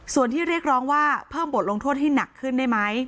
ส่วนที่เรียกร้องว่าเพิ่มบทลงโทษให้หนักขึ้นได้ไหม